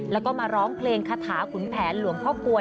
แล้วก็มาร้องเพลงคาถาขุนแผนหลวงพ่อกลวย